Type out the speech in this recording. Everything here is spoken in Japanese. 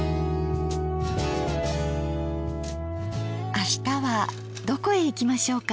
あしたはどこへ行きましょうか。